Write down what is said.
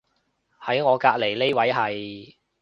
喺我隔離呢位係